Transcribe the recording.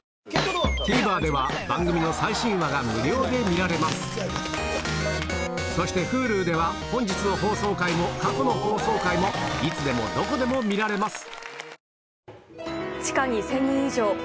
ＴＶｅｒでは番組の最新話が無料で見られますそしてＨｕｌｕでは本日の放送回も過去の放送回もいつでもどこでも見られます